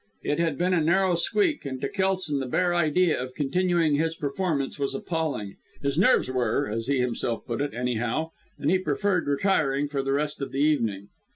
It had been a narrow squeak, and to Kelson the bare idea of continuing his performance was appalling. His nerves were, as he himself put it, anyhow, and he preferred retiring for the rest of the evening.